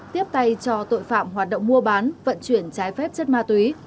tiếp tay cho tội phạm hoạt động mua bán vận chuyển trái phép chất ma túy